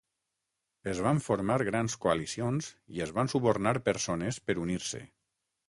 Es van formar grans coalicions i es van subornar persones per unir-se.